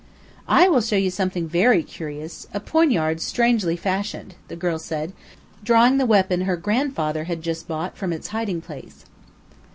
"I will show you something very curious a poignard strangely fashioned," the girl said, drawing the weapon her grandfather had just bought from its hiding place.